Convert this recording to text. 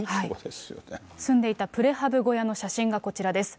住んでいたプレハブ小屋の写真がこちらです。